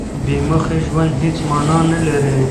بې موخې ژوند هېڅ مانا نه لري.